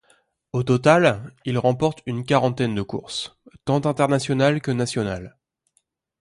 Au total, il remporte une quarantaine de courses, tant internationales que nationales.